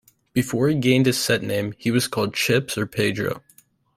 Before he gained his set name, he was called Chips or Pedro.